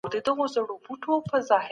ایا ټولنیزه رفاه یوازې په پیسو ترلاسه کیږي؟